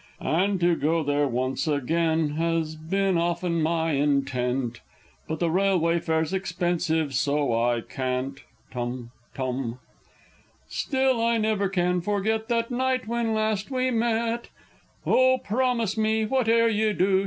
And to go there once again has been often my intent, But the railway fare's expensive, so I can't! (Tum tum!) Still I never can forget that night when last we met: "Oh, promise me whate'er you do!"